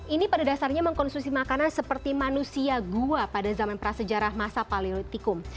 ini pada dasarnya mengkonsumsi makanan seperti manusia gua pada zaman prasejarah masa paleotikum